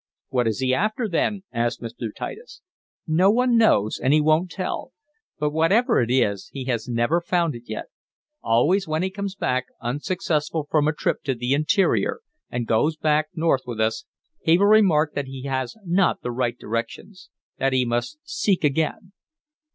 "What is he after then?" asked Mr. Titus. "No one knows, and he won't tell. But whatever it is he has never found it yet. Always, when he comes back, unsuccessful, from a trip to the interior and goes back North with us, he will remark that he has not the right directions. That he must seek again.